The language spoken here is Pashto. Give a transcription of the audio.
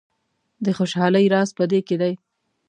د خوشحالۍ راز په دې کې دی.